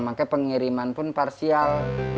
makanya pengiriman pun parsial